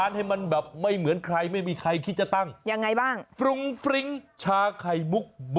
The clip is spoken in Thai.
ช้าไข่มุกมุฟเฟ่มัน